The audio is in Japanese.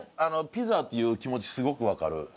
ピザっていう気持ちすごくわかる。